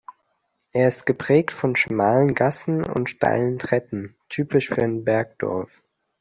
Er ist geprägt von schmalen Gassen und steilen Treppen, typisch für ein Bergdorf.